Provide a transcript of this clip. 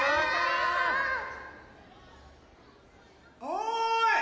おい！